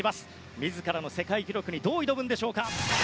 自らの世界記録にどう挑むんでしょうか。